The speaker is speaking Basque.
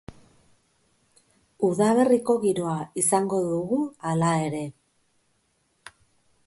Udaberriko giroa, izango dugu, hala ere.